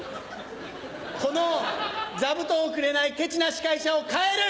この座布団をくれないケチな司会者を変える！